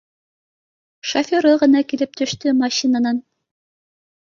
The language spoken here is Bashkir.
Шоферы ғына килеп төштө машинанан